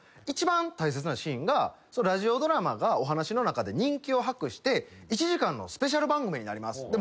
一番大切なシーンがラジオドラマがお話の中で人気を博して１時間のスペシャル番組になります。